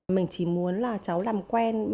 mình chỉ muốn là cháu làm quen